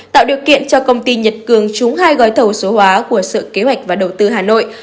tạo điều kiện cho công ty nhật cường trúng hai gói thầu số hóa của sở kế hoạch và đầu tư hà nội